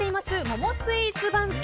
桃スイーツ番付。